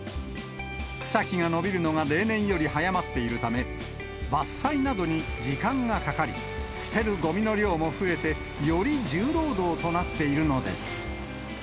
草木が伸びるのが例年より早まっているため、伐採などに時間がかかり、捨てるごみの量も増えて、より重労働となっているのです。